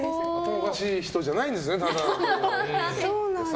おかしい人じゃないんですねただの。